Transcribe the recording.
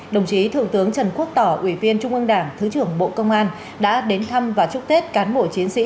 đồng chí thượng tướng trần quốc tỏ ủy viên trung ương đảng thứ trưởng bộ công an đã đến thăm và chúc tết cán bộ chiến sĩ